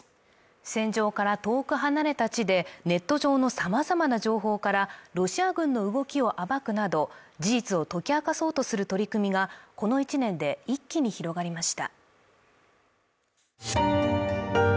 戦場から遠く離れた地でネット上のさまざまな情報からロシア軍の動きを暴くなど事実を解き明かそうとする取り組みがこの１年で一気に広がりました